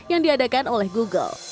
yang diadakan oleh google